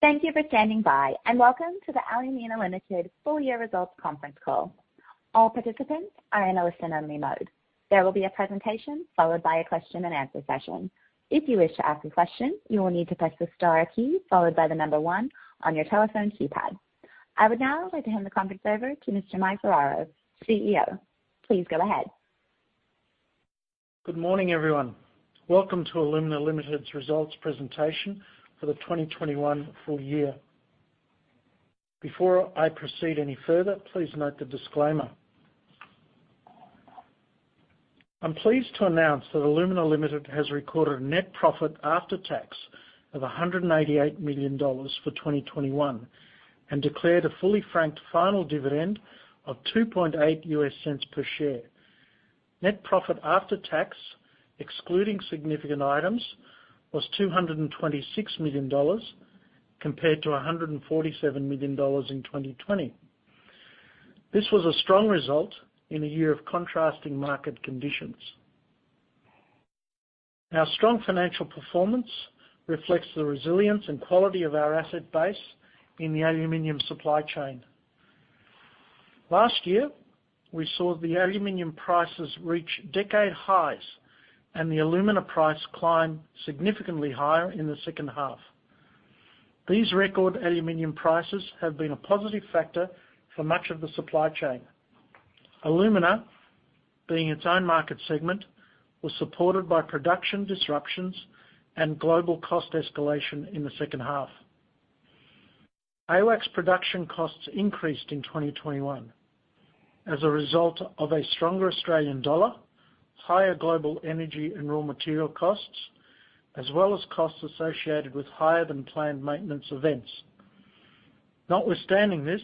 Thank you for standing by, and welcome to the Alumina Limited Full Year Results Conference Call. All participants are in a listen-only mode. There will be a presentation followed by a question-and-answer session. If you wish to ask a question, you will need to press the star key followed by the number one on your telephone keypad. I would now like to hand the conference over to Mr. Mike Ferraro, CEO. Please go ahead. Good morning, everyone. Welcome to Alumina Limited's results presentation for the 2021 full year. Before I proceed any further, please note the disclaimer. I'm pleased to announce that Alumina Limited has recorded a net profit after tax of $188 million for 2021 and declared a fully franked final dividend of $0.028 per share. Net profit after tax, excluding significant items, was $226 million compared to $147 million in 2020. This was a strong result in a year of contrasting market conditions. Our strong financial performance reflects the resilience and quality of our asset base in the aluminum supply chain. Last year, we saw the aluminum prices reach decade highs and the alumina price climb significantly higher in the second half. These record aluminum prices have been a positive factor for much of the supply chain. Alumina, being its own market segment, was supported by production disruptions and global cost escalation in the second half. AWAC's production costs increased in 2021 as a result of a stronger Australian dollar, higher global energy and raw material costs, as well as costs associated with higher than planned maintenance events. Notwithstanding this,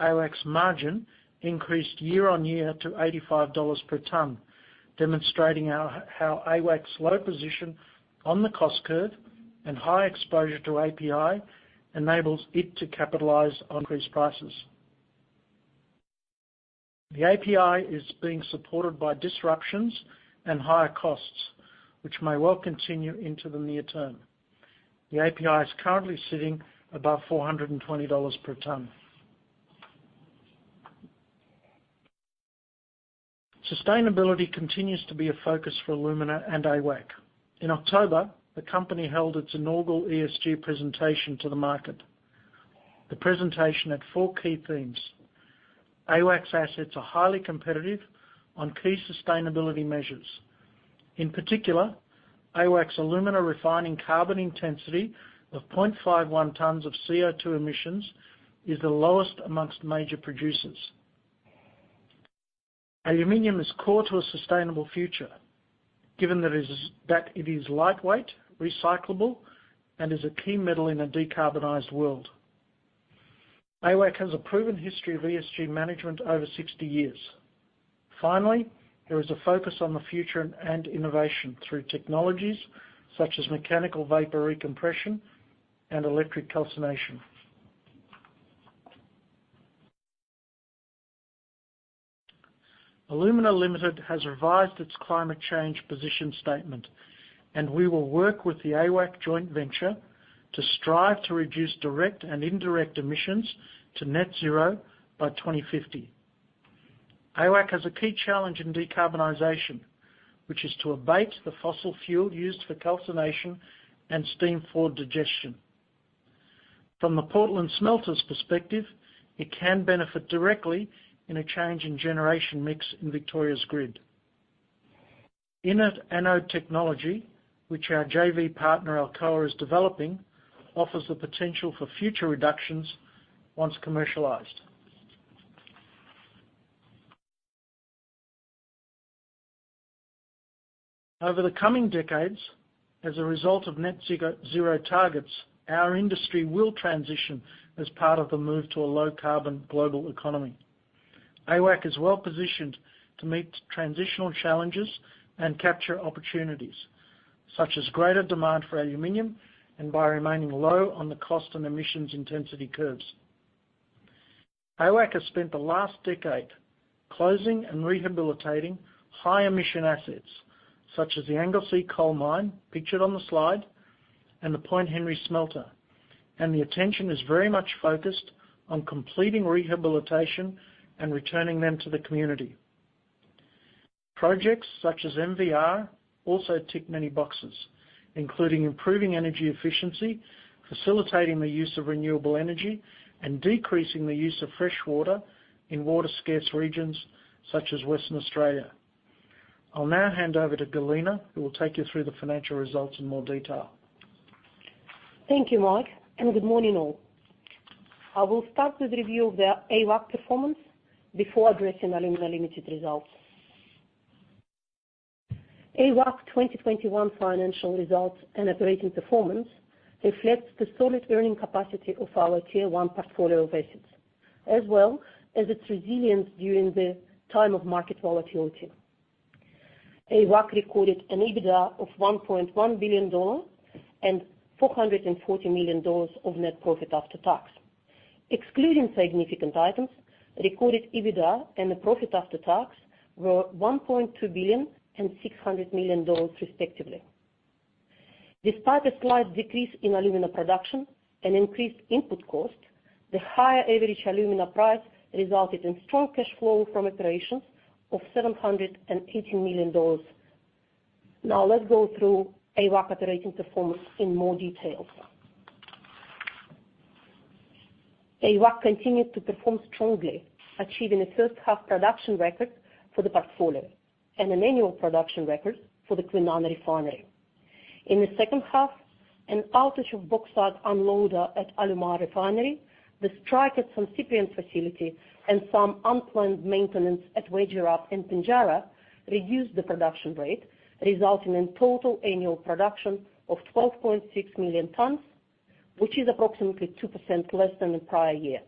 AWAC's margin increased year-on-year to $85 per ton, demonstrating how AWAC's low position on the cost curve and high exposure to API enables it to capitalize on increased prices. The API is being supported by disruptions and higher costs, which may well continue into the near term. The API is currently sitting above $420 per ton. Sustainability continues to be a focus for Alumina and AWAC. In October, the company held its inaugural ESG presentation to the market. The presentation had four key themes. AWAC's assets are highly competitive on key sustainability measures. In particular, AWAC's alumina refining carbon intensity of 0.51 tons of CO2 emissions is the lowest among major producers. Aluminum is core to a sustainable future, given that it is lightweight, recyclable, and is a key metal in a decarbonized world. AWAC has a proven history of ESG management over 60 years. Finally, there is a focus on the future and innovation through technologies such as mechanical vapor recompression and electric calcination. Alumina Limited has revised its climate change position statement, and we will work with the AWAC joint venture to strive to reduce direct and indirect emissions to net zero by 2050. AWAC has a key challenge in decarbonization, which is to abate the fossil fuel used for calcination and steam for digestion. From the Portland smelter's perspective, it can benefit directly in a change in generation mix in Victoria's grid. Inert anode technology, which our JV partner, Alcoa, is developing, offers the potential for future reductions once commercialized. Over the coming decades, as a result of net zero targets, our industry will transition as part of the move to a low-carbon global economy. AWAC is well-positioned to meet transitional challenges and capture opportunities, such as greater demand for aluminum and by remaining low on the cost and emissions intensity curves. AWAC has spent the last decade closing and rehabilitating high-emission assets, such as the Anglesea coal mine pictured on the slide and the Point Henry smelter, and the attention is very much focused on completing rehabilitation and returning them to the community. Projects such as MVR also tick many boxes, including improving energy efficiency, facilitating the use of renewable energy, and decreasing the use of fresh water in water-scarce regions such as Western Australia. I'll now hand over to Galina, who will take you through the financial results in more detail. Thank you, Mike, and good morning, all. I will start with review of the AWAC performance before addressing Alumina Limited results. AWAC 2021 financial results and operating performance reflects the solid earning capacity of our tier-one portfolio of assets, as well as its resilience during the time of market volatility. AWAC recorded an EBITDA of $1.1 billion and $440 million of net profit after tax. Excluding significant items, recorded EBITDA and the profit after tax were $1.2 billion and $600 million respectively. Despite a slight decrease in alumina production and increased input cost, the higher average alumina price resulted in strong cash flow from operations of $780 million. Now let's go through AWAC operating performance in more details. AWAC continued to perform strongly, achieving a first half production record for the portfolio and an annual production record for the Kwinana Refinery. In the second half, an outage of bauxite unloader at Alumar Refinery, the strike at San Ciprián facility, and some unplanned maintenance at Wagerup and Pinjarra reduced the production rate, resulting in total annual production of 12.6 million tons, which is approximately 2% less than the prior year.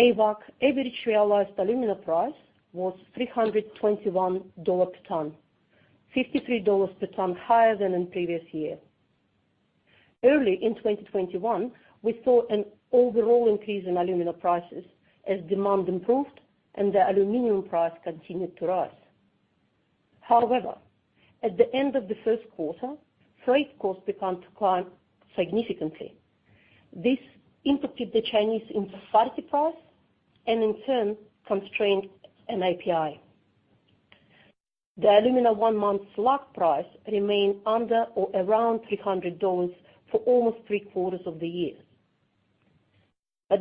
AWAC average realized alumina price was $321 per ton, $53 per ton higher than in previous year. Early in 2021, we saw an overall increase in alumina prices as demand improved and the aluminum price continued to rise. However, at the end of the first quarter, freight costs began to climb significantly. This impacted the Chinese import parity price and in turn constrained non-API. The alumina one-month spot price remained under or around $300 for almost three quarters of the year.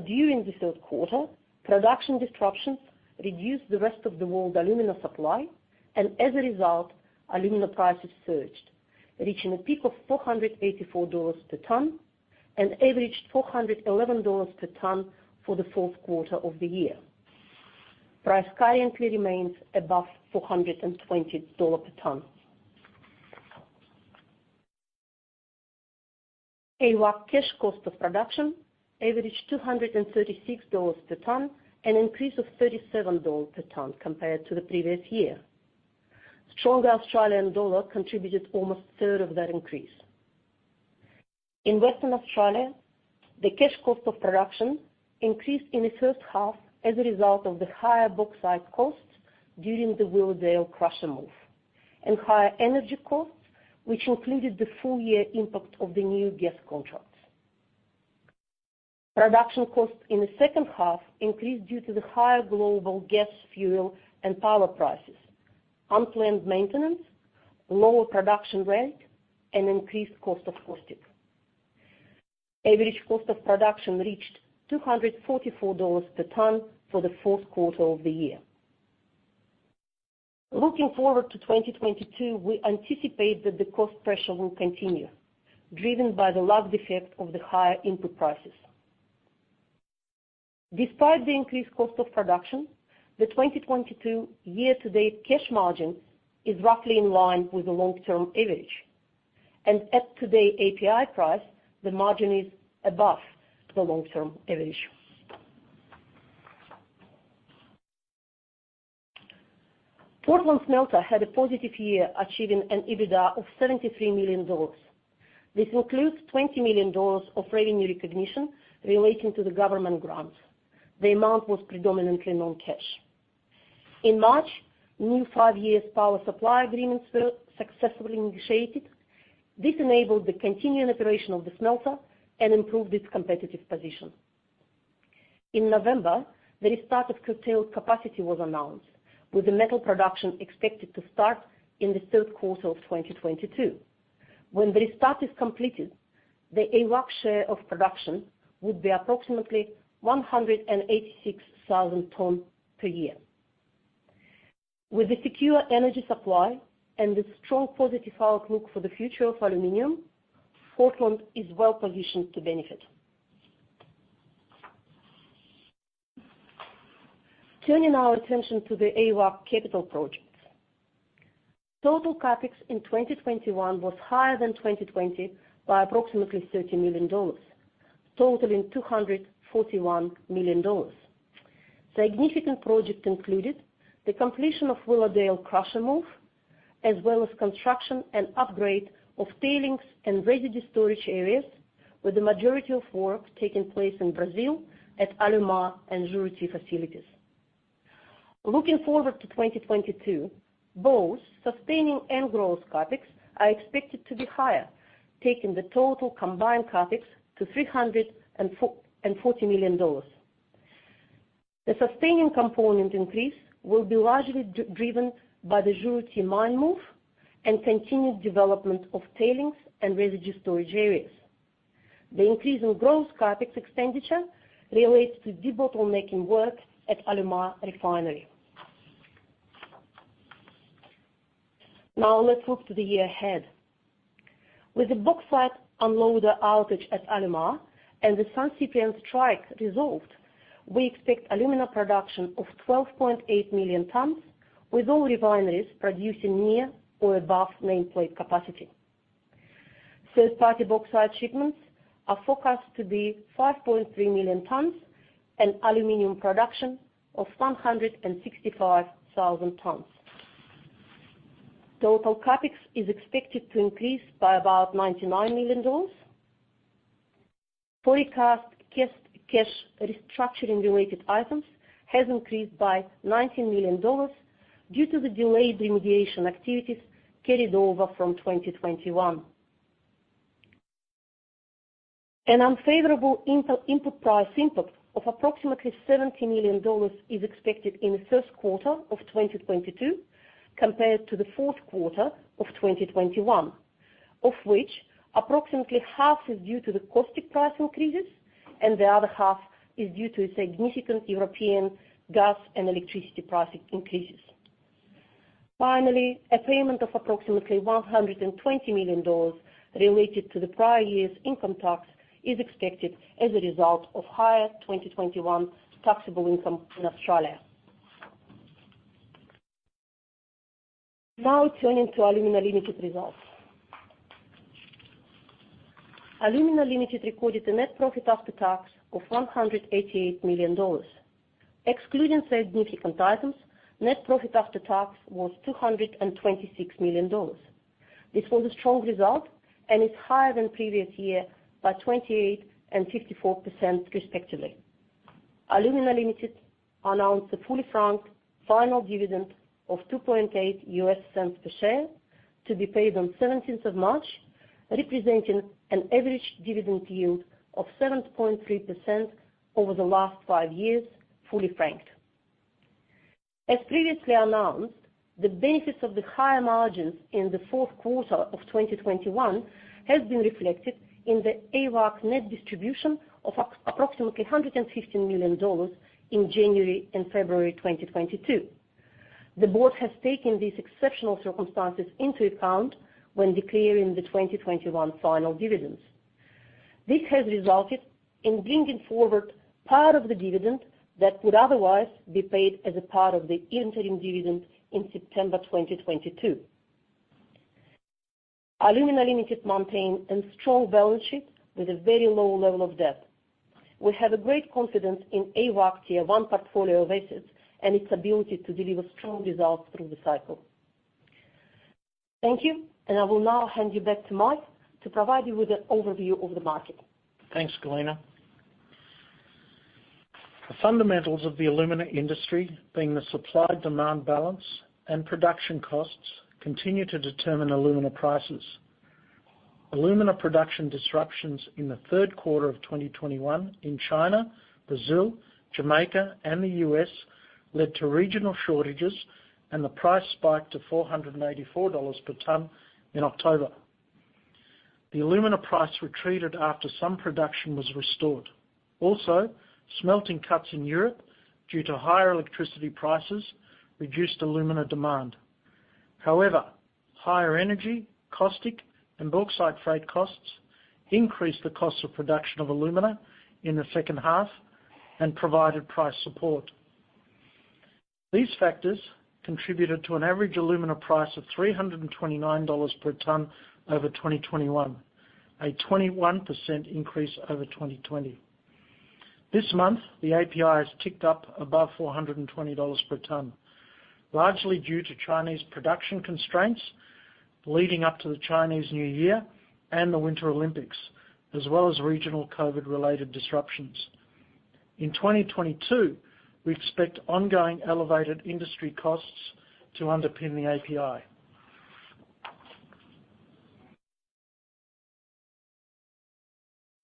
During the third quarter, production disruptions reduced the rest of the world alumina supply, and as a result, alumina prices surged, reaching a peak of $484 per ton and averaged $411 per ton for the fourth quarter of the year. Price currently remains above $420 per ton. AWAC cash cost of production averaged $236 per ton, an increase of $37 per ton compared to the previous year. Stronger Australian dollar contributed almost 1/3 of that increase. In Western Australia, the cash cost of production increased in the first half as a result of the higher bauxite costs during the Wagerup crusher move and higher energy costs, which included the full year impact of the new gas contracts. Production costs in the second half increased due to the higher global gas, fuel, and power prices, unplanned maintenance, lower production rate, and increased cost of caustic. Average cost of production reached $244 per ton for the fourth quarter of the year. Looking forward to 2022, we anticipate that the cost pressure will continue, driven by the lagged effect of the higher input prices. Despite the increased cost of production, the 2022 year-to-date cash margin is roughly in line with the long-term average. At today API price, the margin is above the long-term average. Portland Smelter had a positive year achieving an EBITDA of $73 million. This includes $20 million of revenue recognition relating to the government grant. The amount was predominantly non-cash. In March, new five-year power supply agreements were successfully negotiated. This enabled the continuing operation of the smelter and improved its competitive position. In November, the restart of curtailed capacity was announced, with the metal production expected to start in the third quarter of 2022. When the restart is completed, the AWAC share of production would be approximately 186,000 tons per year. With the secure energy supply and the strong positive outlook for the future of aluminum, Portland is well-positioned to benefit. Turning our attention to the AWAC capital projects. Total CapEx in 2021 was higher than 2020 by approximately $30 million, totaling $241 million. Significant project included the completion of Willowdale crusher move, as well as construction and upgrade of tailings and residue storage areas, with the majority of work taking place in Brazil at Alumar and Juruti facilities. Looking forward to 2022, both sustaining and growth CapEx are expected to be higher, taking the total combined CapEx to $340 million. The sustaining component increase will be largely driven by the Juruti mine move and continued development of tailings and residue storage areas. The increase in growth CapEx expenditure relates to debottlenecking work at Alumar Refinery. Now let's look to the year ahead. With the bauxite unloader outage at Alumar and the San Ciprián strike resolved, we expect alumina production of 12.8 million tons, with all refineries producing near or above nameplate capacity. Third-party bauxite shipments are forecast to be 5.3 million tons and aluminum production of 165,000 tons. Total CapEx is expected to increase by about $99 million. Forecast cash restructuring related items has increased by $19 million due to the delayed remediation activities carried over from 2021. An unfavorable input price of approximately $70 million is expected in the first quarter of 2022 compared to the fourth quarter of 2021, of which approximately half is due to the caustic price increases and the other half is due to a significant European gas and electricity price increases. Finally, a payment of approximately $120 million related to the prior year's income tax is expected as a result of higher 2021 taxable income in Australia. Now turning to Alumina Limited results. Alumina Limited recorded a net profit after tax of $188 million. Excluding significant items, net profit after tax was $226 million. This was a strong result and is higher than previous year by 28% and 54% respectively. Alumina Limited announced a fully franked final dividend of $0.028 per share to be paid on 17th of March, representing an average dividend yield of 7.3% over the last five years, fully franked. As previously announced, the benefits of the higher margins in the fourth quarter of 2021 has been reflected in the AWAC net distribution of approximately $150 million in January and February 2022. The board has taken these exceptional circumstances into account when declaring the 2021 final dividends. This has resulted in bringing forward part of the dividend that would otherwise be paid as a part of the interim dividend in September 2022. Alumina Limited maintain a strong balance sheet with a very low level of debt. We have a great confidence in AWAC Tier one portfolio of assets and its ability to deliver strong results through the cycle. Thank you. I will now hand you back to Mike to provide you with an overview of the market. Thanks, Galina. The fundamentals of the alumina industry, being the supply-demand balance and production costs, continue to determine alumina prices. Alumina production disruptions in the third quarter of 2021 in China, Brazil, Jamaica, and the U.S. led to regional shortages, and the price spiked to $484 per ton in October. The alumina price retreated after some production was restored. Also, smelting cuts in Europe, due to higher electricity prices, reduced alumina demand. However, higher energy, caustic, and bauxite freight costs increased the cost of production of alumina in the second half and provided price support. These factors contributed to an average alumina price of $329 per ton over 2021, a 21% increase over 2020. This month, the API has ticked up above $420 per ton, largely due to Chinese production constraints leading up to the Chinese New Year and the Winter Olympics, as well as regional COVID-related disruptions. In 2022, we expect ongoing elevated industry costs to underpin the API.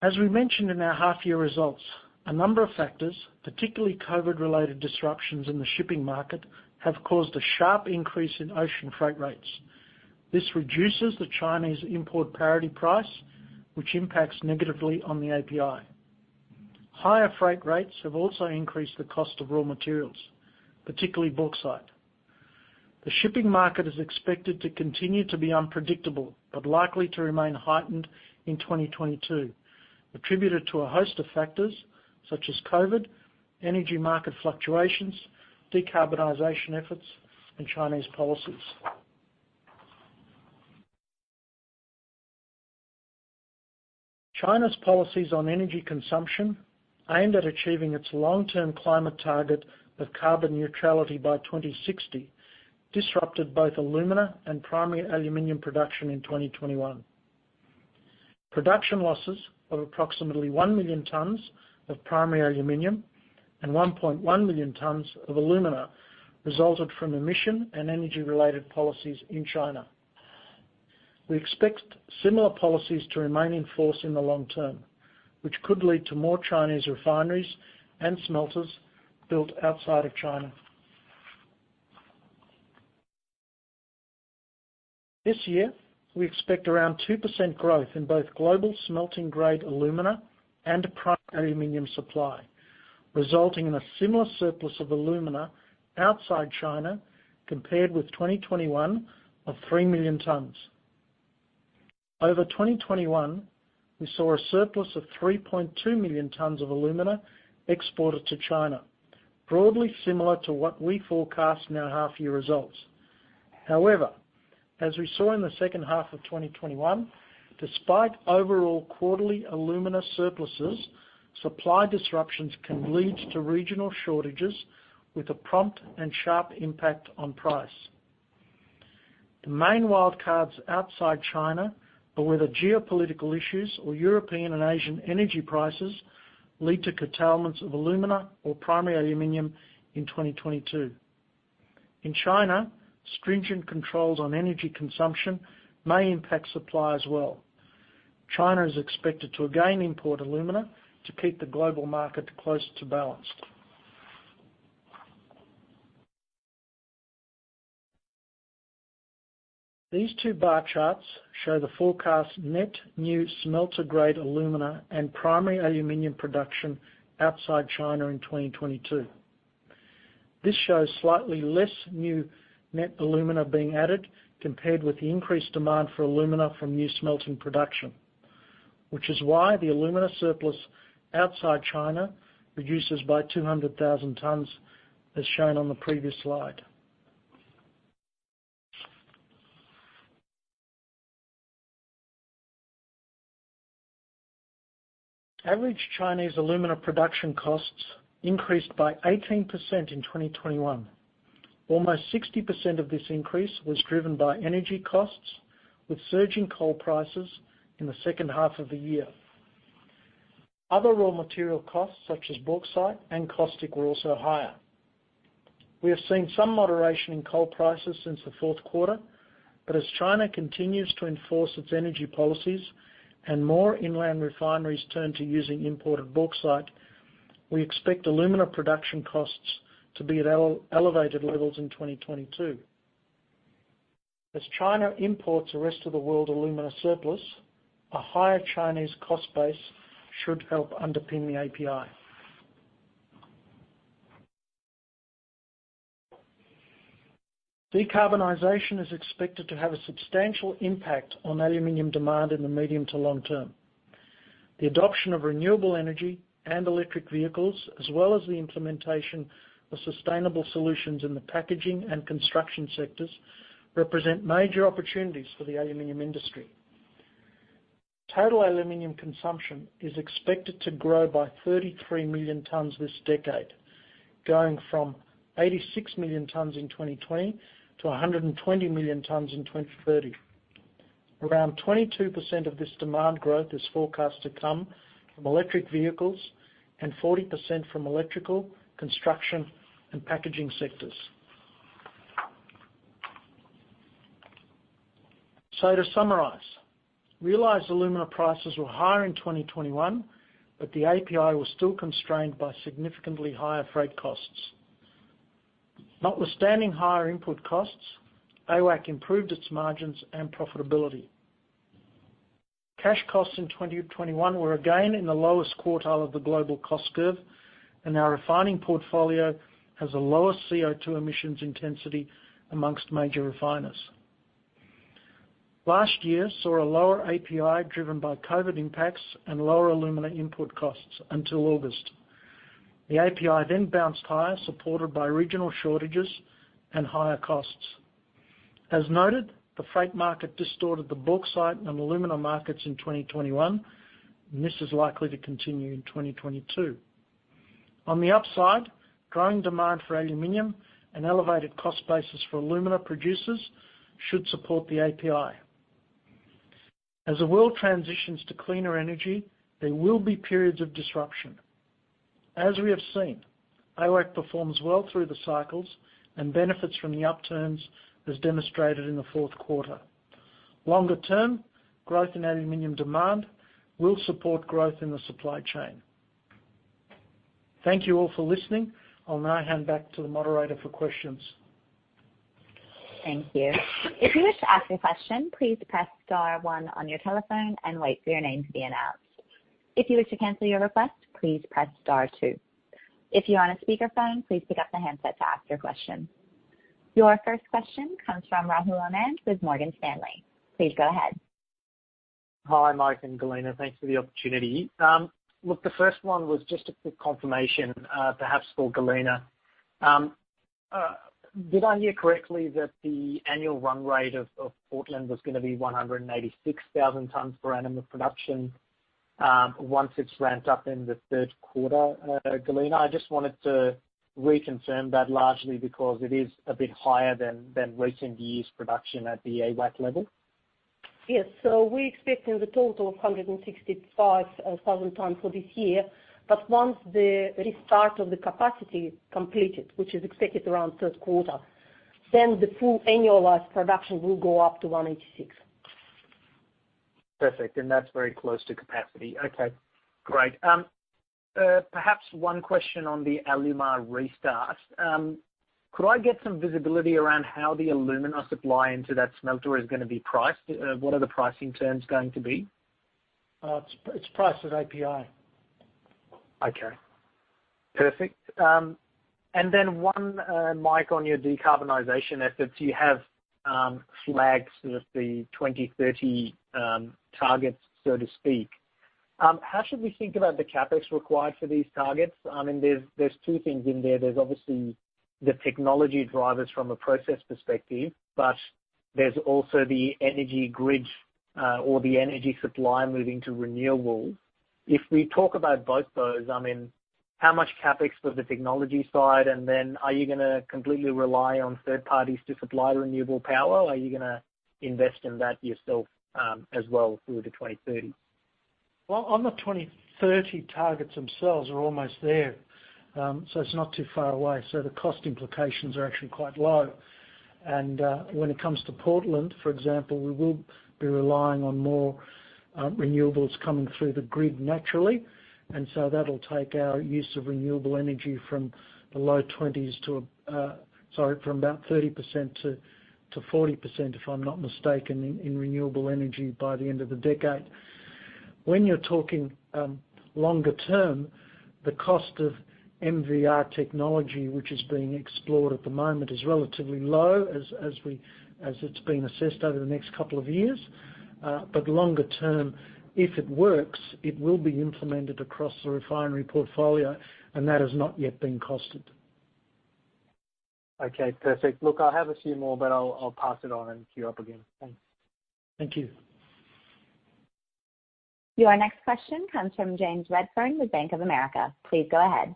As we mentioned in our half year results, a number of factors, particularly COVID-related disruptions in the shipping market, have caused a sharp increase in ocean freight rates. This reduces the Chinese import parity price, which impacts negatively on the API. Higher freight rates have also increased the cost of raw materials, particularly bauxite. The shipping market is expected to continue to be unpredictable, but likely to remain heightened in 2022, attributed to a host of factors such as COVID, energy market fluctuations, decarbonization efforts, and Chinese policies. China's policies on energy consumption, aimed at achieving its long-term climate target of carbon neutrality by 2060, disrupted both alumina and primary aluminum production in 2021. Production losses of approximately 1 million tons of primary aluminum and 1.1 million tons of alumina resulted from emission and energy-related policies in China. We expect similar policies to remain in force in the long term, which could lead to more Chinese refineries and smelters built outside of China. This year, we expect around 2% growth in both global smelter grade alumina and primary aluminum supply, resulting in a similar surplus of alumina outside China compared with 2021 of 3 million tons. Over 2021, we saw a surplus of 3.2 million tons of alumina exported to China, broadly similar to what we forecast in our half year results. As we saw in the second half of 2021, despite overall quarterly alumina surpluses, supply disruptions can lead to regional shortages with a prompt and sharp impact on price. The main wild cards outside China are whether geopolitical issues or European and Asian energy prices lead to curtailments of alumina or primary aluminum in 2022. In China, stringent controls on energy consumption may impact supply as well. China is expected to again import alumina to keep the global market close to balanced. These two bar charts show the forecast net new smelter grade alumina and primary aluminum production outside China in 2022. This shows slightly less new net alumina being added compared with the increased demand for alumina from new smelting production, which is why the alumina surplus outside China reduces by 200,000 tons, as shown on the previous slide. Average Chinese alumina production costs increased by 18% in 2021. Almost 60% of this increase was driven by energy costs, with surging coal prices in the second half of the year. Other raw material costs, such as bauxite and caustic, were also higher. We have seen some moderation in coal prices since the fourth quarter, but as China continues to enforce its energy policies and more inland refineries turn to using imported bauxite, we expect alumina production costs to be at elevated levels in 2022. As China imports the rest of the world alumina surplus, a higher Chinese cost base should help underpin the API. Decarbonization is expected to have a substantial impact on aluminum demand in the medium to long term. The adoption of renewable energy and electric vehicles, as well as the implementation of sustainable solutions in the packaging and construction sectors, represent major opportunities for the aluminum industry. Total aluminum consumption is expected to grow by 33 million tons this decade, going from 86 million tons in 2020 to 120 million tons in 2030. Around 22% of this demand growth is forecast to come from electric vehicles and 40% from electrical, construction, and packaging sectors. To summarize, realized alumina prices were higher in 2021, but the API was still constrained by significantly higher freight costs. Notwithstanding higher input costs, AWAC improved its margins and profitability. Cash costs in 2021 were again in the lowest quartile of the global cost curve, and our refining portfolio has a lower CO2 emissions intensity among major refiners. Last year saw a lower API driven by COVID impacts and lower alumina input costs until August. The API then bounced higher, supported by regional shortages and higher costs. As noted, the freight market distorted the bauxite and alumina markets in 2021, and this is likely to continue in 2022. On the upside, growing demand for aluminum and elevated cost basis for alumina producers should support the API. As the world transitions to cleaner energy, there will be periods of disruption. As we have seen, AWAC performs well through the cycles and benefits from the upturns, as demonstrated in the fourth quarter. Longer term, growth in aluminum demand will support growth in the supply chain. Thank you all for listening. I'll now hand back to the moderator for questions. Thank you. If you wish to ask a question, please press star one on your telephone and wait for your name to be announced. If you wish to cancel your request, please press star two. If you're on a speakerphone, please pick up the handset to ask your question. Your first question comes from Rahul Anand with Morgan Stanley. Please go ahead. Hi, Mike and Galina. Thanks for the opportunity. Look, the first one was just a quick confirmation, perhaps for Galina. Did I hear correctly that the annual run rate of Portland was gonna be 186,000 tons per annum of production, once it's ramped up in the third quarter, Galina? I just wanted to reconfirm that largely because it is a bit higher than recent years production at the AWAC level. Yes. We expect in the total of 165,000 tons for this year. Once the restart of the capacity completed, which is expected around third quarter, then the full annualized production will go up to 186. Perfect, and that's very close to capacity. Okay, great. Perhaps one question on the Alumar restart. Could I get some visibility around how the alumina supply into that smelter is gonna be priced? What are the pricing terms going to be? It's priced at API. Okay. Perfect. And then one, Mike, on your decarbonization efforts. You have flagged sort of the 2030 targets, so to speak. How should we think about the CapEx required for these targets? I mean, there's two things in there. There's obviously the technology drivers from a process perspective, but there's also the energy grid or the energy supply moving to renewables. If we talk about both those, I mean, how much CapEx for the technology side, and then are you gonna completely rely on third parties to supply renewable power, or are you gonna invest in that yourself as well through to 2030? Well, on the 2030 targets themselves, we're almost there. It's not too far away, so the cost implications are actually quite low. When it comes to Portland, for example, we will be relying on more renewables coming through the grid naturally. That'll take our use of renewable energy from about 30%-40%, if I'm not mistaken, in renewable energy by the end of the decade. When you're talking longer term, the cost of MVR technology, which is being explored at the moment, is relatively low, as it's been assessed over the next couple of years. Longer term, if it works, it will be implemented across the refinery portfolio, and that has not yet been costed. Okay, perfect. Look, I have a few more, but I'll pass it on and queue up again. Thanks. Thank you. Your next question comes from James Redfern with Bank of America. Please go ahead.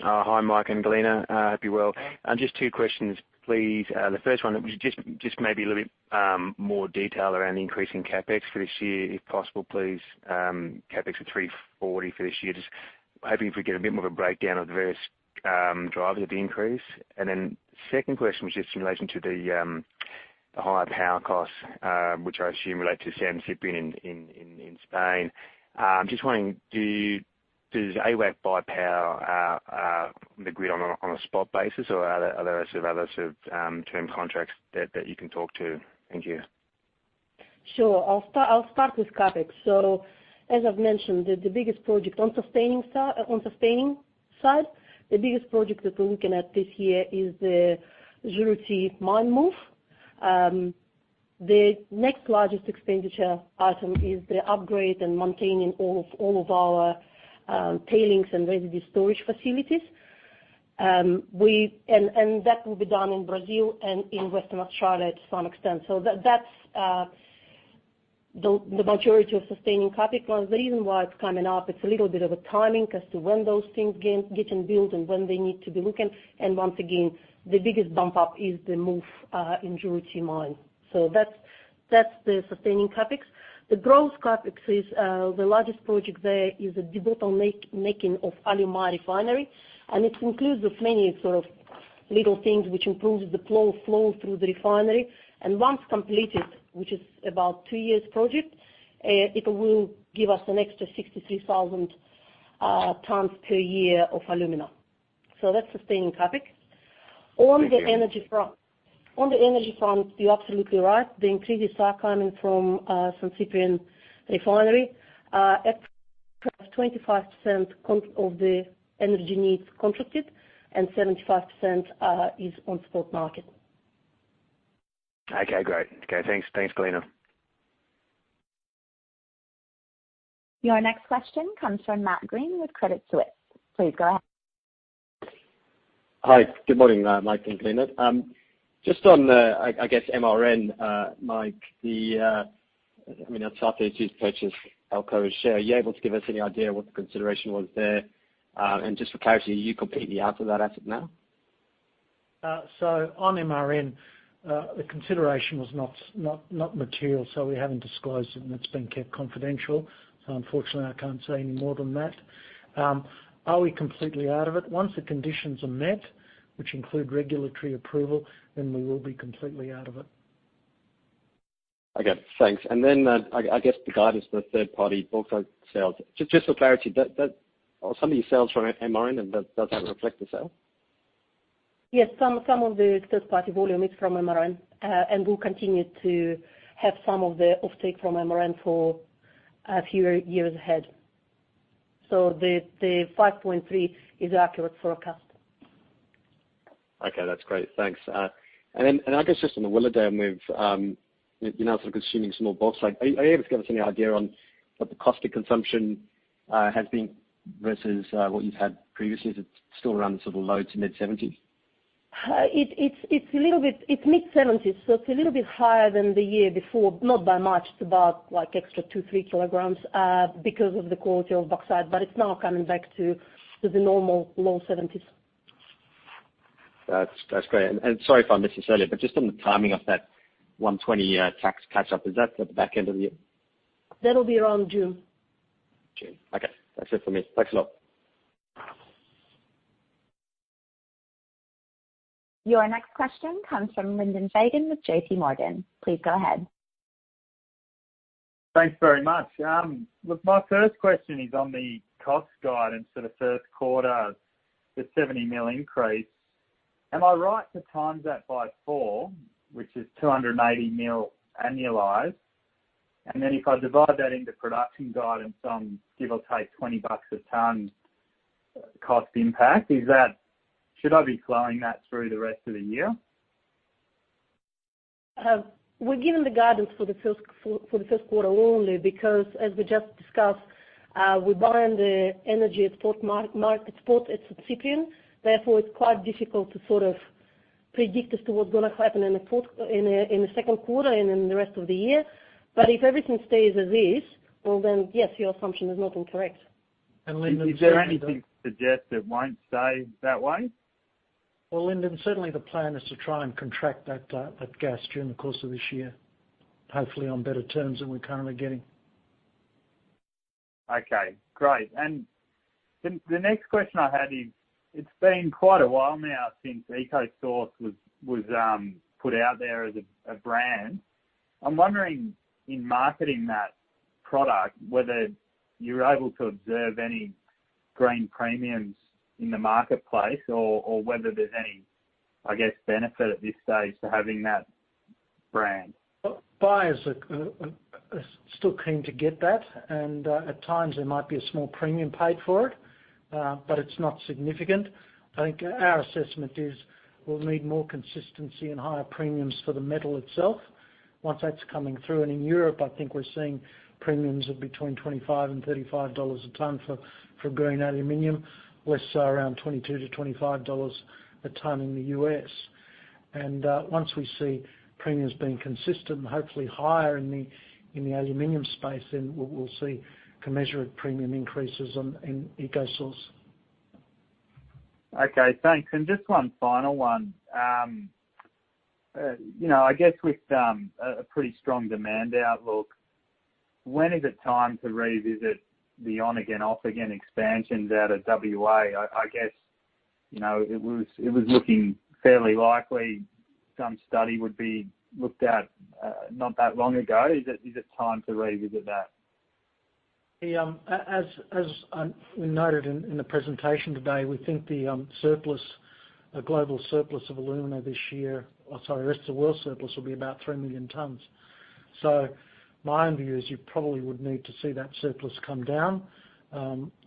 Hi, Mike and Galina. I hope you're well. Just two questions, please. The first one, just maybe a little bit more detail around the increase in CapEx for this year, if possible, please. CapEx of $340 for this year. Just hoping if we get a bit more of a breakdown of the various drivers of the increase. Second question was just in relation to the higher power costs, which I assume relate to San Ciprián in Spain. I'm just wondering, does AWAC buy power on the grid on a spot basis, or are there other term contracts that you can talk to? Thank you. Sure. I'll start with CapEx. As I've mentioned, the biggest project on the sustaining side, the biggest project that we're looking at this year is the Juruti mine move. The next largest expenditure item is the upgrade and maintaining all of our tailings and residue storage facilities. That will be done in Brazil and in Western Australia to some extent. That's the majority of sustaining CapEx. The reason why it's coming up, it's a little bit of a timing as to when those things get in build and when they need to be looking. Once again, the biggest bump up is the move in Juruti mine. That's the sustaining CapEx. The growth CapEx is the largest project there is a debottlenecking of Alumar Refinery. It includes of many sort of little things which improves the flow through the refinery. Once completed, which is about two years project, it will give us an extra 63,000 tons per year of alumina. That's sustaining CapEx. Thank you. On the energy front, you're absolutely right. The increases are coming from San Ciprián Refinery. At perhaps 25% of the energy needs contracted and 75% is on spot market. Okay, great. Okay, thanks. Thanks, Galina. Your next question comes from Matt Greene with Credit Suisse. Please go ahead. Hi. Good morning, Mike and Galina. Just on, I guess MRN, Mike, I mean, I saw South32's purchase of Alcoa's share. Are you able to give us any idea what the consideration was there? Just for clarity, are you completely out of that asset now? On MRN, the consideration was not material, so we haven't disclosed it, and it's been kept confidential. Unfortunately, I can't say any more than that. Are we completely out of it? Once the conditions are met, which include regulatory approval, then we will be completely out of it. Okay, thanks. I guess the guidance for third-party bauxite sales. Just for clarity, are some of your sales from MRN, and does that reflect the sale? Yes, some of the third party volume is from MRN, and we'll continue to have some of the offtake from MRN for a few years ahead. The 5.3 is accurate forecast. Okay, that's great. Thanks. I guess just on the Willowdale move, you're now sort of consuming some more bauxite. Are you able to give us any idea on what the cost of consumption has been versus what you've had previously? Is it still around sort of low to mid $70s? It's mid $70s, so it's a little bit higher than the year before. Not by much. It's about, like, extra 2, 3 kg because of the quality of bauxite, but it's now coming back to the normal low $70s. That's great. Sorry if I missed this earlier, but just on the timing of that $120 tax catch-up. Is that at the back end of the year? That'll be around June. June. Okay. That's it for me. Thanks a lot. Your next question comes from Lyndon Fagan with JPMorgan. Please go ahead. Thanks very much. Look, my first question is on the cost guidance for the first quarter, the $70 million increase. Am I right to times that by four, which is $280 million annualized? Then if I divide that into production guidance or give or take $20 a ton cost impact, is that. Should I be flowing that through the rest of the year? We're given the guidance for the first quarter only because as we just discussed, we buy in the energy export market spot at Subic Bay. Therefore, it's quite difficult to sort of predict as to what's gonna happen in the second quarter and in the rest of the year. If everything stays as is, well, then yes, your assumption is not incorrect. Lyndon Is there anything to suggest it won't stay that way? Well, Lyndon, certainly the plan is to try and contract that gas during the course of this year, hopefully on better terms than we're currently getting. Okay. Great. The next question I had is, it's been quite a while now since EcoSource was put out there as a brand. I'm wondering, in marketing that product, whether you're able to observe any green premiums in the marketplace or whether there's any, I guess, benefit at this stage to having that brand. Well, buyers are still keen to get that, and at times there might be a small premium paid for it, but it's not significant. I think our assessment is we'll need more consistency and higher premiums for the metal itself. Once that's coming through and in Europe, I think we're seeing premiums of between $25-$35 a ton for green aluminum, less so around $22-$25 a ton in the U.S. Once we see premiums being consistent and hopefully higher in the aluminum space, then we'll see commensurate premium increases in EcoSource. Okay, thanks. Just one final one. You know, I guess with a pretty strong demand outlook, when is it time to revisit the on-again, off-again expansions out of WA? I guess, you know, it was looking fairly likely some study would be looked at, not that long ago. Is it time to revisit that? As I noted in the presentation today, we think the global surplus of alumina this year, or sorry, rest of world surplus, will be about 3 million tons. My own view is you probably would need to see that surplus come down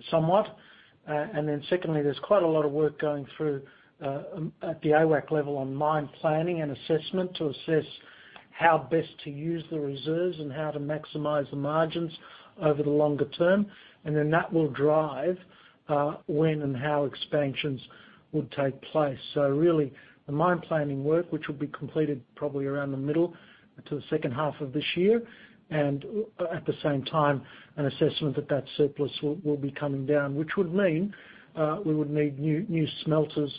somewhat. Secondly, there's quite a lot of work going through at the AWAC level on mine planning and assessment to assess how best to use the reserves and how to maximize the margins over the longer term. That will drive when and how expansions would take place. Really, the mine planning work, which will be completed probably around the middle to the second half of this year. At the same time, an assessment that surplus will be coming down, which would mean we would need new smelters,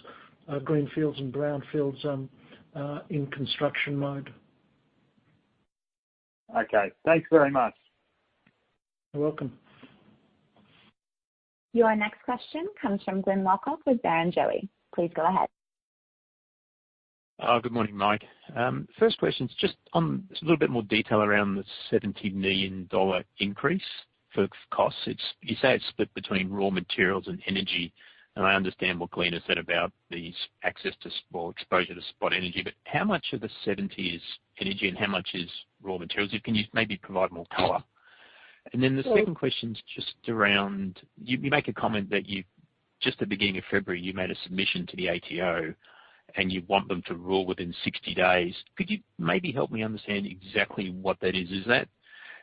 greenfields and brownfields in construction mode. Okay, thanks very much. You're welcome. Your next question comes from Glyn Lawcock with Barrenjoey. Please go ahead. Good morning, Mike. First question's just on a little bit more detail around the $70 million increase for costs. You say it's split between raw materials and energy, and I understand what Galina said about the exposure to spot energy. But how much of the $70 is energy and how much is raw materials? Can you maybe provide more color? And then the second question is just around. You make a comment that just at the beginning of February, you made a submission to the ATO, and you want them to rule within 60 days. Could you maybe help me understand exactly what that is? Is that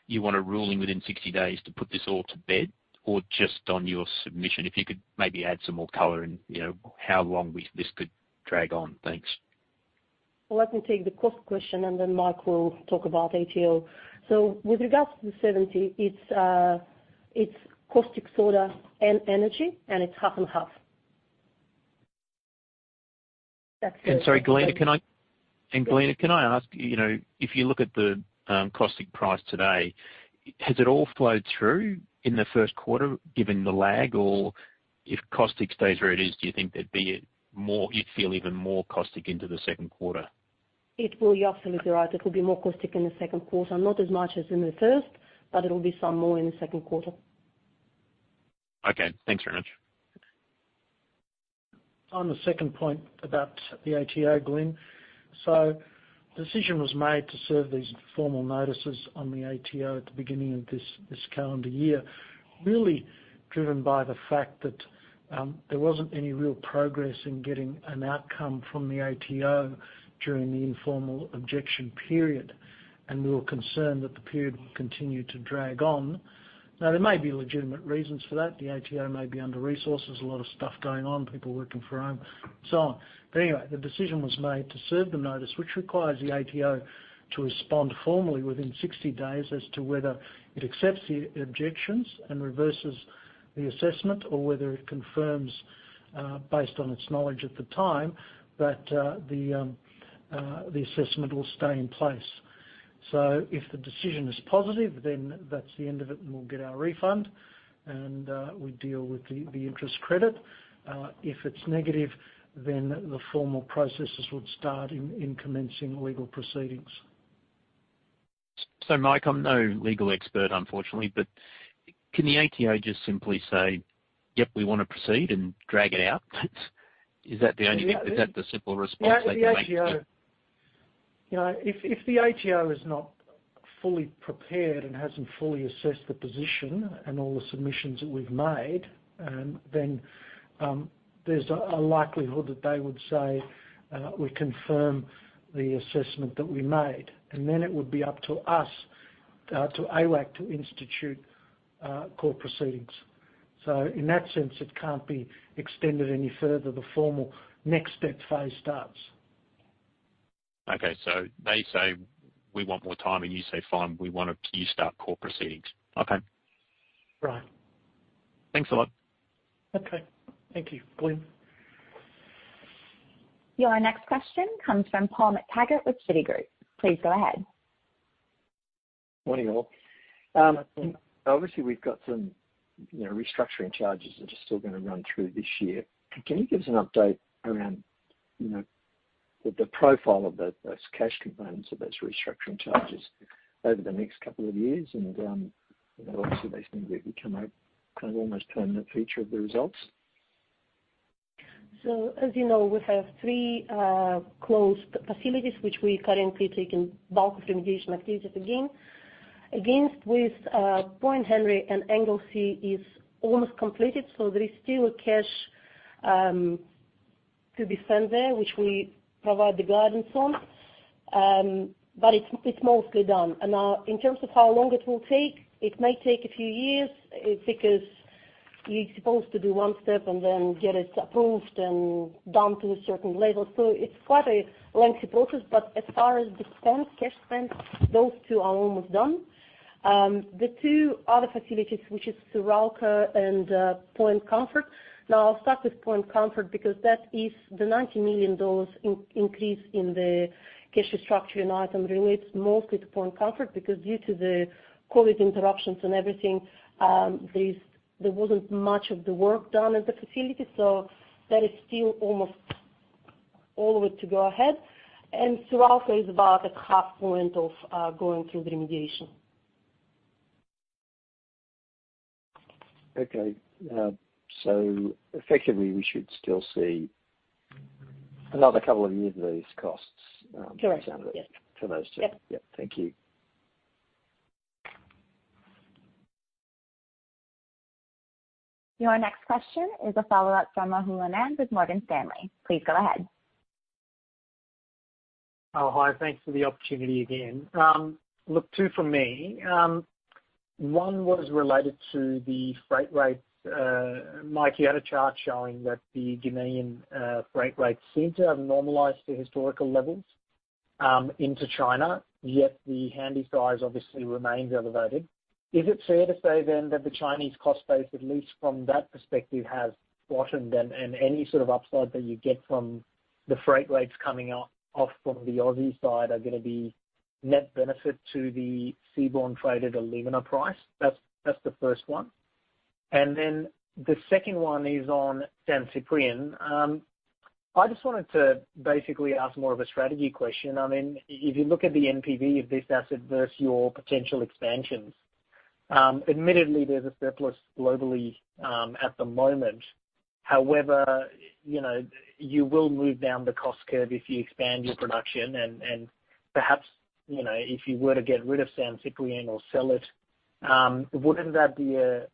you want a ruling within 60 days to put this all to bed or just on your submission? If you could maybe add some more color and, you know, how long this could drag on? Thanks. Well, let me take the cost question, and then Mike will talk about ATO. With regards to the $70, it's caustic soda and energy, and it's half and half. That's it. Sorry, Galina, can I Yes. Galina, can I ask, you know, if you look at the caustic price today, has it all flowed through in the first quarter given the lag? Or if caustic stays where it is, do you think there'd be even more caustic into the second quarter? It will. You're absolutely right. It will be more caustic in the second quarter. Not as much as in the first, but it'll be some more in the second quarter. Okay, thanks very much. On the second point about the ATO, Glyn, decision was made to serve these formal notices on the ATO at the beginning of this calendar year, really driven by the fact that there wasn't any real progress in getting an outcome from the ATO during the informal objection period, and we were concerned that the period would continue to drag on. Now, there may be legitimate reasons for that. The ATO may be under-resourced. There's a lot of stuff going on, people working from home, so on. Anyway, the decision was made to serve the notice, which requires the ATO to respond formally within 60 days as to whether it accepts the objections and reverses the assessment or whether it confirms based on its knowledge at the time that the assessment will stay in place. If the decision is positive, then that's the end of it, and we'll get our refund, and we deal with the interest credit. If it's negative, then the formal processes would start in commencing legal proceedings. Mike, I'm no legal expert, unfortunately, but can the ATO just simply say, "Yep, we wanna proceed," and drag it out? Is that the only- Yeah. Is that the simple response they can make? Yeah, the ATO. You know, if the ATO is not fully prepared and hasn't fully assessed the position and all the submissions that we've made, then there's a likelihood that they would say we confirm the assessment that we made, and then it would be up to us to AWAC to institute court proceedings. In that sense, it can't be extended any further. The formal next step phase starts. Okay. They say, "We want more time," and you say, "Fine, you start court proceedings." Okay. Right. Thanks a lot. Okay. Thank you. Colleen. Your next question comes from Paul McTaggart with Citigroup. Please go ahead. Morning, all. Obviously, we've got some, you know, restructuring charges that are still gonna run through this year. Can you give us an update around, you know, the profile of those cash components of those restructuring charges over the next couple of years? You know, obviously, they seem to become a kind of almost permanent feature of the results. As you know, we have three closed facilities which we're currently undertaking the bulk of remediation activities along with Point Henry and Anglesea is almost completed, so there is still cash to be spent there, which we provide the guidance on. It's mostly done. In terms of how long it will take, it may take a few years because you're supposed to do one step and then get it approved and down to a certain level. It's quite a lengthy process. As far as expenses, cash spend, those two are almost done. The two other facilities, which is Suralco and Point Comfort. Now, I'll start with Point Comfort because that is the $90 million increase in the cash restructuring item relates mostly to Point Comfort because due to the COVID interruptions and everything, there wasn't much of the work done at the facility. That is still almost all the way to go ahead. Suralco is about a half point of going through the remediation. Okay. Effectively, we should still see another couple of years of these costs. Correct. for those two. Yeah. Yeah. Thank you. Your next question is a follow-up from Rahul Anand with Morgan Stanley. Please go ahead. Oh, hi. Thanks for the opportunity again. Look, two from me. One was related to the freight rates. Mike, you had a chart showing that the Guinean freight rates seem to have normalized to historical levels into China, yet the handysize obviously remains elevated. Is it fair to say then that the Chinese cost base, at least from that perspective, has bottomed and any sort of upside that you get from the freight rates coming out from the Aussie side are gonna be net benefit to the seaborne trade at alumina price? That's the first one. Then the second one is on San Ciprián. I just wanted to basically ask more of a strategy question. I mean, if you look at the NPV of this asset versus your potential expansions, admittedly, there's a surplus globally at the moment. However, you know, you will move down the cost curve if you expand your production and perhaps, you know, if you were to get rid of San Ciprián or sell it, wouldn't that be a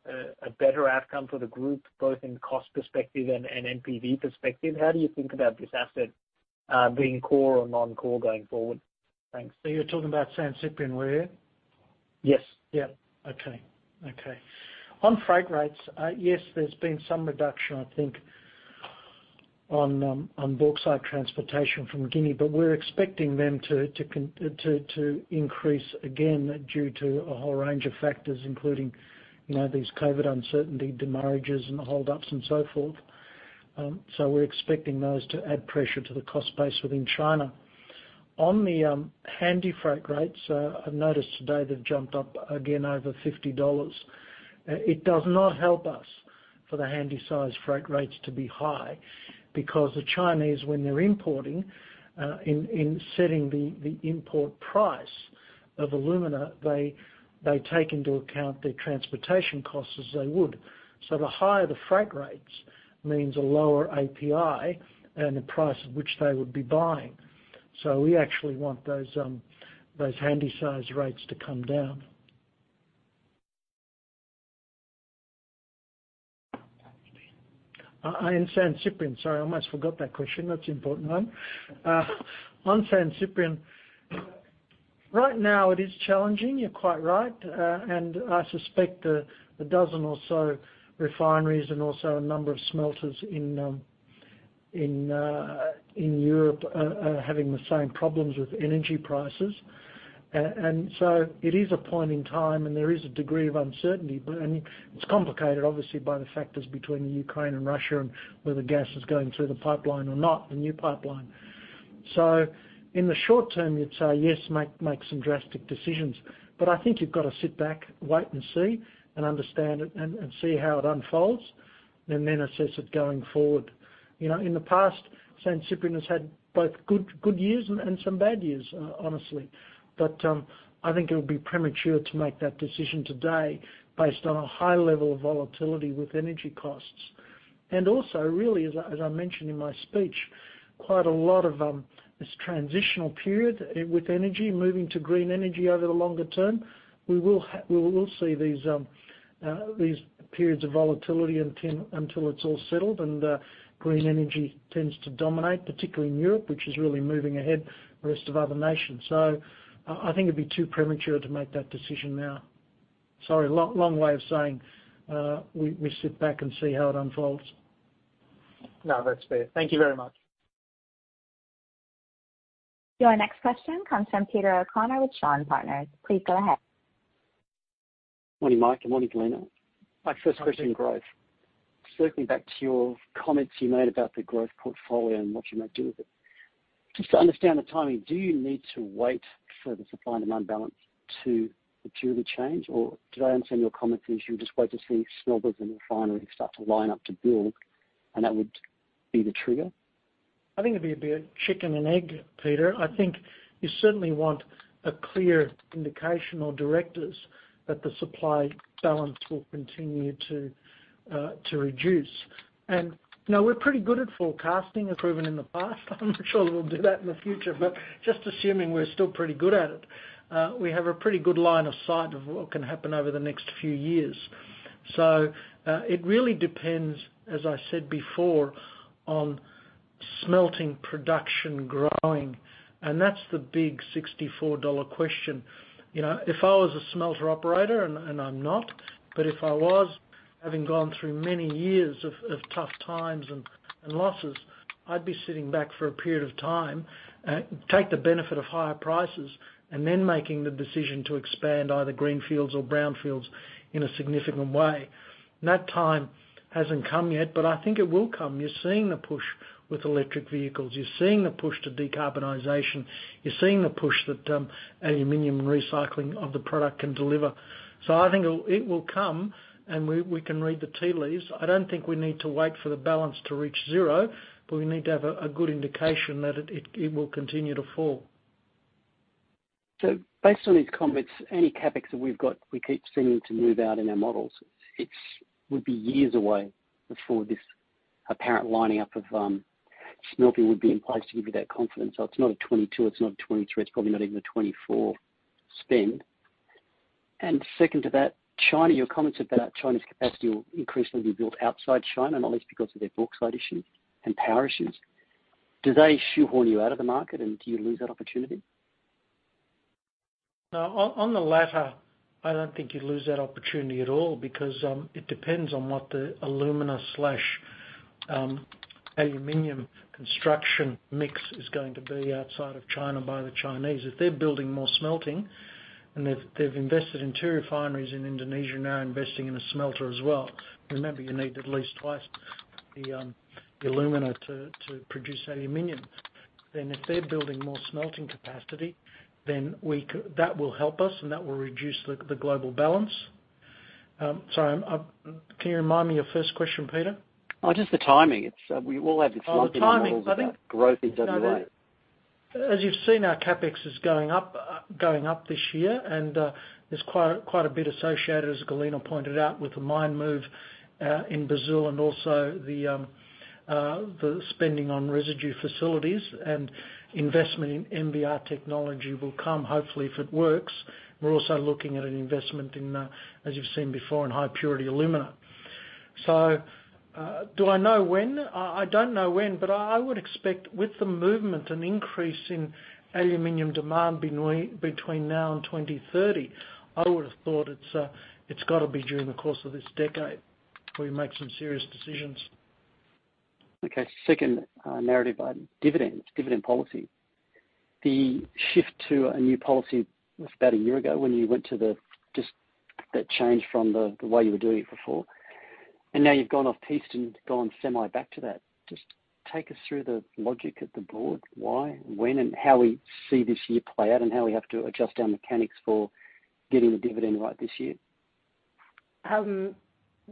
better outcome for the group, both in cost perspective and NPV perspective? How do you think about this asset, being core or non-core going forward? Thanks. You're talking about San Ciprián, were you? Yes. On freight rates, yes, there's been some reduction, I think, on bauxite transportation from Guinea, but we're expecting them to increase again due to a whole range of factors, including, you know, these COVID uncertainty demurrages and hold ups and so forth. We're expecting those to add pressure to the cost base within China. On the Handysize freight rates, I've noticed today they've jumped up again over $50. It does not help us for the Handysize freight rates to be high because the Chinese, when they're importing, in setting the import price of alumina, they take into account their transportation costs as they would. The higher the freight rates means a lower API and the price at which they would be buying. We actually want those Handysize rates to come down. In San Ciprián. Sorry, I almost forgot that question. That's an important one. On San Ciprián, right now it is challenging, you're quite right. I suspect a dozen or so refineries and also a number of smelters in Europe are having the same problems with energy prices. It is a point in time, and there is a degree of uncertainty. I mean, it's complicated, obviously, by the factors between Ukraine and Russia and whether gas is going through the pipeline or not, the new pipeline. In the short term, you'd say, yes, make some drastic decisions. I think you've got to sit back, wait and see, and understand it and see how it unfolds, and then assess it going forward. You know, in the past, San Ciprián has had both good years and some bad years, honestly. I think it would be premature to make that decision today based on a high level of volatility with energy costs. Also, really, as I mentioned in my speech. Quite a lot of this transitional period with energy moving to green energy over the longer term, we will see these periods of volatility until it's all settled and green energy tends to dominate, particularly in Europe, which is really moving ahead the rest of other nations. I think it'd be too premature to make that decision now. Sorry, long way of saying, we sit back and see how it unfolds. No, that's fair. Thank you very much. Your next question comes from Peter O'Connor with Shaw and Partners. Please go ahead. Morning, Mike, and morning, Galina. Hi, Peter. My first question, growth. Circling back to your comments you made about the growth portfolio and what you might do with it. Just to understand the timing, do you need to wait for the supply and demand balance to materially change? Or did I understand your comments as you would just wait to see smelters and refineries start to line up to build, and that would be the trigger? I think it'd be a bit of chicken and egg, Peter. I think you certainly want a clear indication from directors that the supply balance will continue to reduce. You know, we're pretty good at forecasting as proven in the past. I'm not sure we'll do that in the future, but just assuming we're still pretty good at it, we have a pretty good line of sight of what can happen over the next few years. It really depends, as I said before, on smelting production growing, and that's the big $64 question. You know, if I was a smelter operator, and I'm not, but if I was, having gone through many years of tough times and losses, I'd be sitting back for a period of time and take the benefit of higher prices, and then making the decision to expand either greenfields or brownfields in a significant way. That time hasn't come yet, but I think it will come. You're seeing the push with electric vehicles. You're seeing the push to decarbonization. You're seeing the push that aluminum recycling of the product can deliver. I think it will come, and we can read the tea leaves. I don't think we need to wait for the balance to reach zero, but we need to have a good indication that it will continue to fall. Based on these comments, any CapEx that we've got, we keep seeming to move out in our models, it would be years away before this apparent lining up of smelting would be in place to give you that confidence. It's not a 2022, it's not a 2023, it's probably not even a 2024 spend. Second to that, China, your comments about China's capacity will increasingly be built outside China, not least because of their bauxite issue and power issues. Do they shoehorn you out of the market, and do you lose that opportunity? No. On the latter, I don't think you'd lose that opportunity at all because it depends on what the alumina slash aluminum consumption mix is going to be outside of China by the Chinese. If they're building more smelting, and they've invested in two refineries in Indonesia, now investing in a smelter as well. Remember, you need at least twice the alumina to produce aluminum. If they're building more smelting capacity, that will help us, and that will reduce the global balance. Can you remind me your first question, Peter? Oh, just the timing. It's, we all have this logic- Oh, the timing. in our models about growth in WA. There's no doubt. As you've seen, our CapEx is going up this year, and there's quite a bit associated, as Galina pointed out, with the mine move in Brazil and also the spending on residue facilities and investment in MVR technology will come hopefully if it works. We're also looking at an investment in, as you've seen before, in high purity alumina. Do I know when? I don't know when, but I would expect with the movement an increase in aluminum demand between now and 2030. I would have thought it's gotta be during the course of this decade we make some serious decisions. Okay. Second, narrative item, dividends, dividend policy. The shift to a new policy was about a year ago when you went to the, just that change from the way you were doing it before. Now you've gone off piste and gone semi back to that. Just take us through the logic of the board, why, when, and how we see this year play out and how we have to adjust our mechanics for getting the dividend right this year.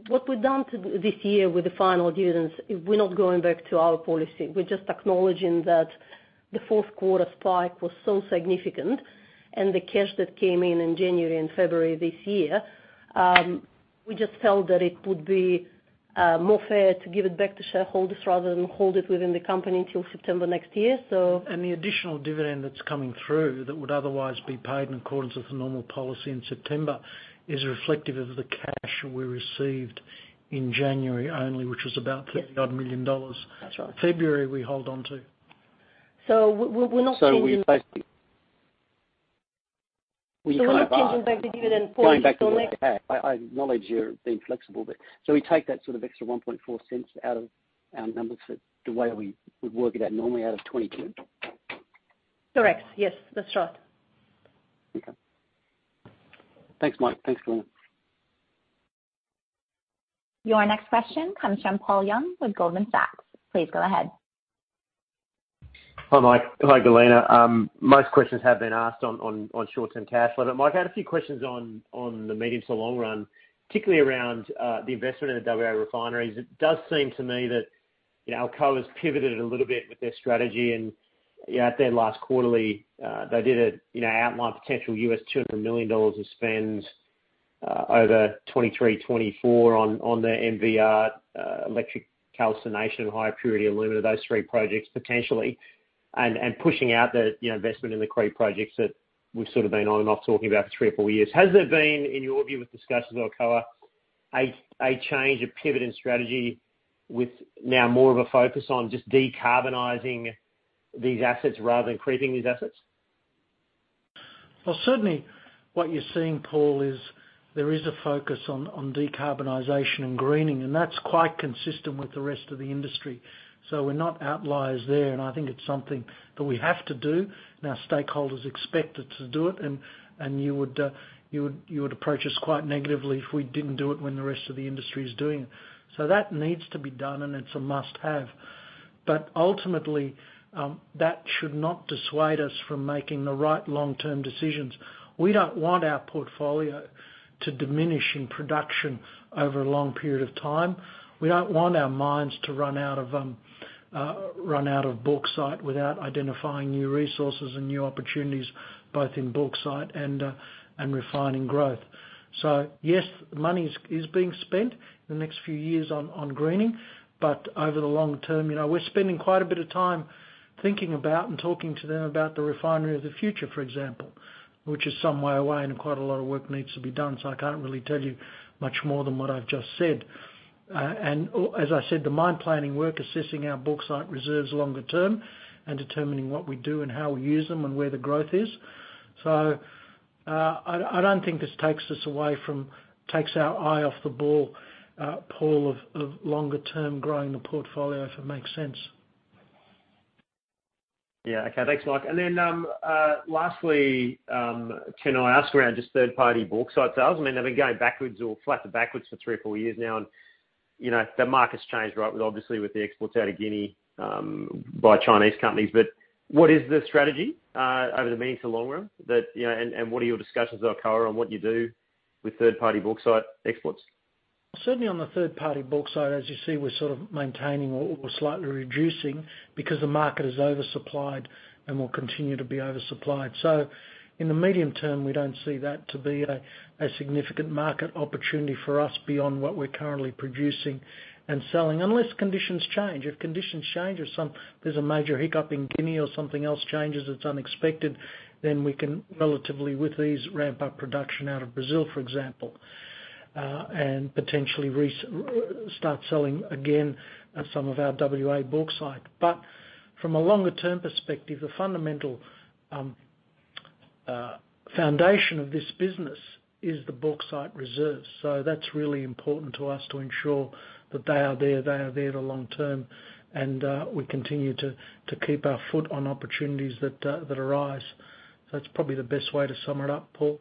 What we've done this year with the final dividends is we're not going back to our policy. We're just acknowledging that the fourth quarter spike was so significant, and the cash that came in in January and February this year, we just felt that it would be more fair to give it back to shareholders rather than hold it within the company until September next year. The additional dividend that's coming through that would otherwise be paid in accordance with the normal policy in September is reflective of the cash we received in January only, which was about- Yes. $30-odd million. That's right. February, we hold on to. We're not changing. We basically kind of are. We're not changing back to dividend policy only. Going back to what you had. I acknowledge you're being flexible, but so we take that sort of extra $0.014 out of our numbers than the way we would work it out normally out of 2022? Correct. Yes. That's right. Okay. Thanks, Mike. Thanks, Galina. Your next question comes from Paul Young with Goldman Sachs. Please go ahead. Hi, Mike. Hi, Galina. Most questions have been asked on short-term cash flow, but Mike, I had a few questions on the medium to long run, particularly around the investment in the WA refineries. It does seem to me that, you know, Alcoa's pivoted a little bit with their strategy and, you know, at their last quarterly, they did, you know, outlined potential $200 million of spend over 2023, 2024 on the MVR, electric calcination, high purity alumina, those three projects potentially, and pushing out the, you know, investment in the green projects that we've sort of been on and off talking about for three or four years. Has there been, in your view with discussions with Alcoa, a change, a pivot in strategy with now more of a focus on just decarbonizing these assets rather than keeping these assets? Well, certainly what you're seeing, Paul, is there is a focus on decarbonization and greening, and that's quite consistent with the rest of the industry. We're not outliers there, and I think it's something that we have to do and our stakeholders expect us to do it. You would approach us quite negatively if we didn't do it when the rest of the industry is doing it. That needs to be done, and it's a must-have. Ultimately, that should not dissuade us from making the right long-term decisions. We don't want our portfolio to diminish in production over a long period of time. We don't want our mines to run out of bauxite without identifying new resources and new opportunities, both in bauxite and refining growth. Yes, money is being spent in the next few years on greening, but over the long term, you know, we're spending quite a bit of time thinking about and talking to them about the refinery of the future, for example, which is some way away and quite a lot of work needs to be done, so I can't really tell you much more than what I've just said. As I said, the mine planning work assessing our bauxite reserves longer term and determining what we do and how we use them and where the growth is. I don't think this takes our eye off the ball, Paul, of longer term growing the portfolio, if it makes sense. Yeah. Okay. Thanks, Mike. Lastly, can I ask about just third-party bauxite sales? I mean, they've been going backwards or flat to backwards for three or four years now and, you know, the market's changed, right? With obviously the exports out of Guinea by Chinese companies. What is the strategy over the medium to long term that, you know, and what are your discussions with Alcoa on what you do with third-party bauxite exports? Certainly on the third-party bauxite, as you see, we're sort of maintaining or slightly reducing because the market is oversupplied and will continue to be oversupplied. In the medium term, we don't see that to be a significant market opportunity for us beyond what we're currently producing and selling, unless conditions change. If conditions change or there's a major hiccup in Guinea or something else changes that's unexpected, then we can relatively with ease ramp up production out of Brazil, for example, and potentially start selling again some of our WA bauxite. From a longer-term perspective, the fundamental foundation of this business is the bauxite reserves. That's really important to us to ensure that they are there the long term. We continue to keep our foot on opportunities that arise. That's probably the best way to sum it up, Paul.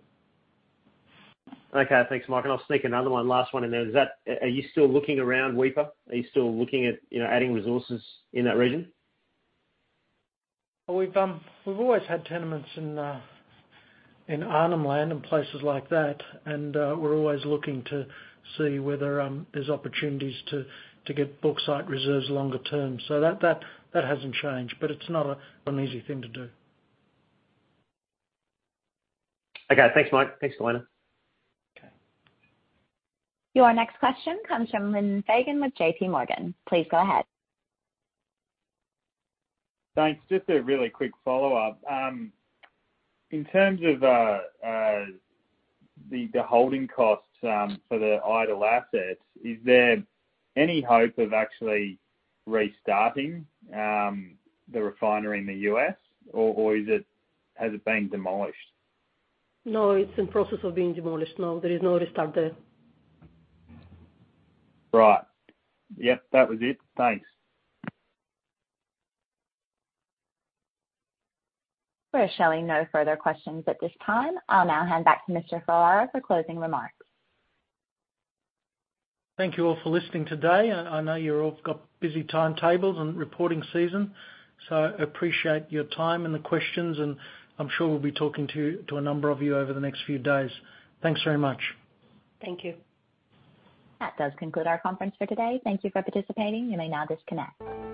Okay. Thanks, Mike. I'll sneak another one, last one in there. Are you still looking around Weipa? Are you still looking at, you know, adding resources in that region? We've always had tenements in Arnhem Land and places like that. We're always looking to see whether there's opportunities to get bauxite reserves longer term. That hasn't changed, but it's not an easy thing to do. Okay. Thanks, Mike. Thanks, Galina. Okay. Your next question comes from Lyndon Fagan with JPMorgan. Please go ahead. Thanks. Just a really quick follow-up. In terms of the holding costs for the idle assets, is there any hope of actually restarting the refinery in the U.S. or has it been demolished? No, it's in process of being demolished. No, there is no restart there. Right. Yep, that was it. Thanks. We're showing no further questions at this time. I'll now hand back to Mr. Ferraro for closing remarks. Thank you all for listening today. I know you're all got busy timetables and reporting season, so I appreciate your time and the questions, and I'm sure we'll be talking to a number of you over the next few days. Thanks very much. Thank you. That does conclude our conference for today. Thank you for participating. You may now disconnect.